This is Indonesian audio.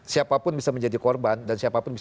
siapapun bisa menjadi korban dan siapapun bisa